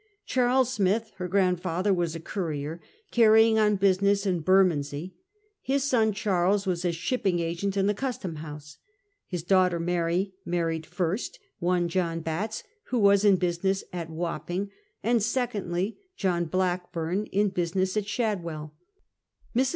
Charles Smith, her giund father, was a currier, carrying on business in Bermondsey. His son Charles was a shipping agent in the Custom House. His daughter Mary married, first, one John Batts, who was in business at Wapping ; and secondly, John Blackburn, in business at Shadwcll. Mrs.